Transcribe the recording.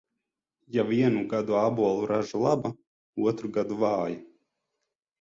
Ja vienu gadu ābolu raža laba, otru gadu vāja.